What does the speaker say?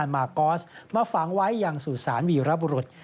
มากอสมาฝังไว้อย่างสู่สารวีรบุรุษ